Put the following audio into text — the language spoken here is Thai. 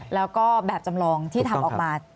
แล้วก็แบบจำลองที่ทำออกมา